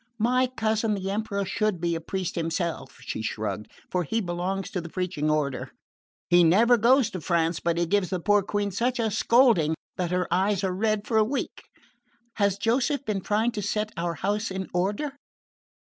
"My cousin the Emperor should be a priest himself," she shrugged, "for he belongs to the preaching order. He never goes to France but he gives the poor Queen such a scolding that her eyes are red for a week. Has Joseph been trying to set our house in order?"